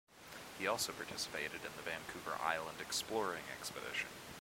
He also participated in the Vancouver Island Exploring Expedition.